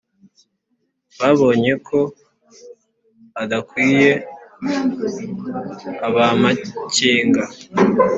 babonye ko udakwiye ab'amakenga